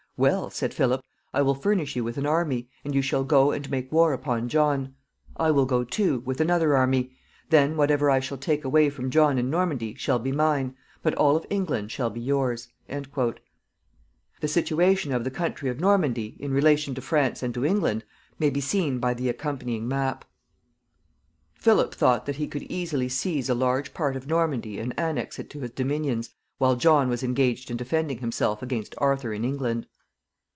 "Well," said Philip, "I will furnish you with an army, and you shall go and make war upon John. I will go too, with another army; then, whatever I shall take away from John in Normandy shall be mine, but all of England shall be yours." The situation of the country of Normandy, in relation to France and to England, may be seen by the accompanying map. [Illustration: SITUATION OF NORMANDY.] Philip thought that he could easily seize a large part of Normandy and annex it to his dominions while John was engaged in defending himself against Arthur in England.